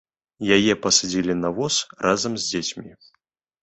Яе пасадзілі на воз разам з дзецьмі.